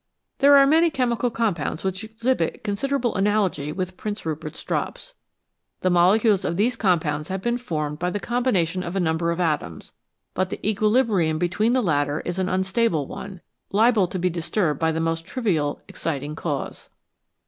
There are many chemical compounds which exhibit considerable analogy with Prince Rupert's drops. The molecules of these compounds have been formed by the combination of a number of atoms, but the equilibrium between the latter is an unstable one, liable to be disturbed by the most trivial exciting cause.